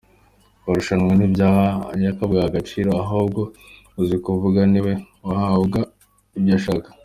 Kurushanwa ntibyahabwaga agaciro, ahubwo uzi kuvuga ni we wahabwaga ibyo ashaka.